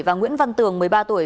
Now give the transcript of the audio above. và nguyễn văn tường một mươi ba tuổi